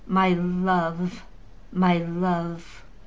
"My love! my love!"